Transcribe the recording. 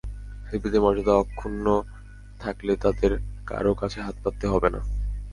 শিল্পীদের মর্যাদা অক্ষুণ্ন থাকলে তাঁদের কারও কাছে হাত পাততে হবে না।